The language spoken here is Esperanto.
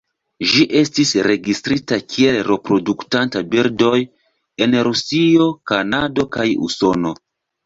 Ĝi estis registrita kiel reproduktantaj birdoj en Rusio, Kanado kaj Usono.